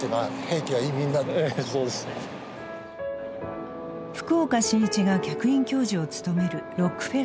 福岡伸一が客員教授を務めるロックフェラー大学。